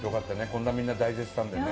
こんなみんな大絶賛でね。